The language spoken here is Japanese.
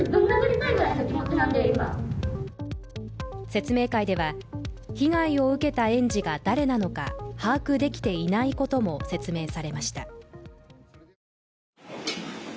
説明会では被害を受けた園児が誰なのか把握できていないことも説明されました。